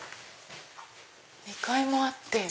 ２階もあって。